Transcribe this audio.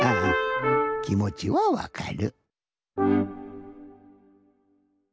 きもちはわかる。